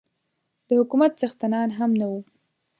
د حکومت څښتنان هم نه وو.